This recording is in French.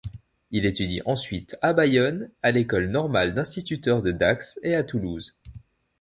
Il étudie ensuite à Bayonne, à l'école normale d'instituteurs de Dax et à Toulouse.